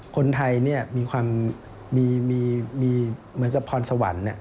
คนไทยมีความพลสะวัน